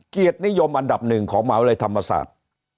เกียรตินิยมอันดับหนึ่งของมหาวิทยาลัยธรรมศาสตร์